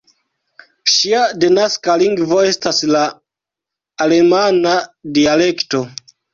Ŝia denaska lingvo estas la alemana dialekto.